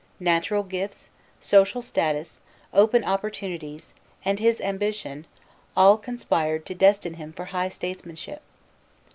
Natural gifts, social status, open opportunities, and his ambition, all conspired to destine him for high statesmanship.